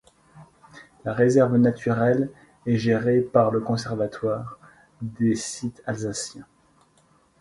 La réserve naturelle est gérée par le Conservatoire des sites alsaciens.